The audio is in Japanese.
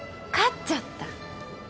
勝っちゃった。